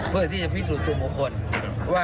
เพื่อที่จะพิสูจน์ประวบภัณฑ์ว่า